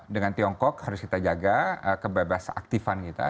dengan tiongkok harus kita jaga kebebas aktifan kita